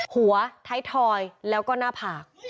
หัวไททอยแล้วก็หน้าผ่า